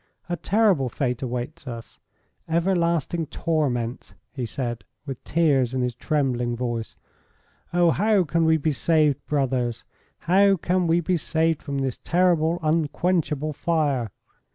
A terrible fate awaits us everlasting torment," he said, with tears in his trembling voice. "Oh, how can we be saved, brothers? How can we be saved from this terrible, unquenchable fire?